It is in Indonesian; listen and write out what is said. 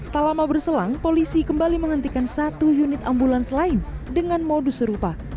tak lama berselang polisi kembali menghentikan satu unit ambulans lain dengan modus serupa